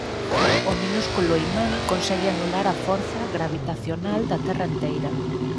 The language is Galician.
O minúsculo imán consegue anular a forza gravitacional da Terra enteira.